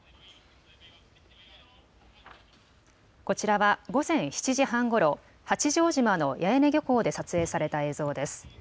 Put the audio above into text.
こちらは午前７時半ごろ八丈島の八重根漁港で撮影された映像です。